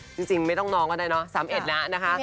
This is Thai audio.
จริงไม่ต้องนองก็ได้เนอะสามเอ็ดนะนะคะ